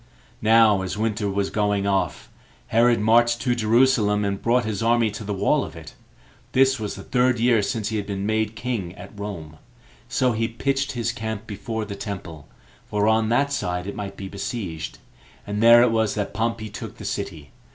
Now as winter was going off, Herod marched to Jerusalem, and brought his army to the wall of it; this was the third year since he had been made king at Rome; so he pitched his camp before the temple, for on that side it might be besieged, and there it was that Pompey took the city.